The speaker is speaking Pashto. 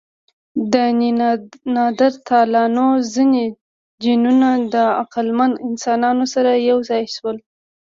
د نیاندرتالانو ځینې جینونه د عقلمن انسانانو سره یو ځای شول.